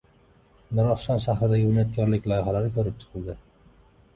Nurafshon shahridagi bunyodkorlik loyihalari ko‘rib chiqildi